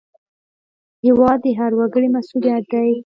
هېواد د هر وګړي مسوولیت دی